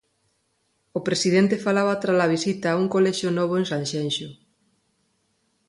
O presidente falaba trala visita a un colexio novo en Sanxenxo.